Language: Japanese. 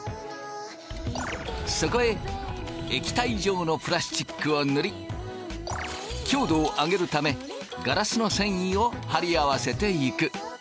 そこへ液体状のプラスチックを塗り強度を上げるためガラスの繊維を張り合わせていく。